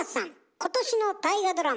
今年の大河ドラマ